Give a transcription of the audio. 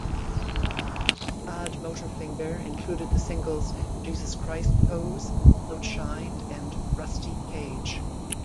"Badmotorfinger" included the singles "Jesus Christ Pose", "Outshined", and "Rusty Cage".